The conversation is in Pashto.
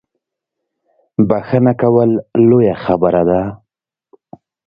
بخښنه کول لویه خبره ده